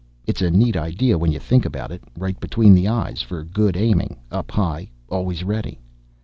It's a neat idea when you think about it. Right between the eyes for good aiming, up high, always ready.